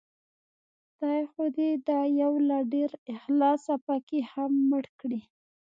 خدای خو دې دا يو له ډېر اخلاصه پکې هم مړ کړي